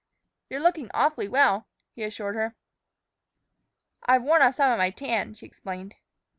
"You're looking awfully well," he assured her. "I've worn off some of my tan," she explained.